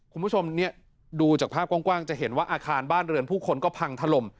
คุณผู้ชมดูจากภาพกว้างจะเห็นว่าอาคารบ้านเรือนผู้คนก็พังถล่ม